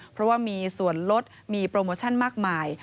เพราะว่ามีส่วนลดมีโปรโมชั่นมากมาย